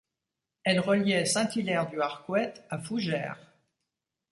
Elle reliait Saint-Hilaire-du-Harcouët à Fougères.